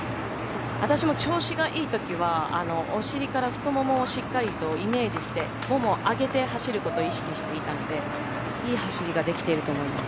私も調子がいい時はお尻から太ももをしっかりとイメージしてももを上げて走ることを意識していたのでいい走りができていると思います。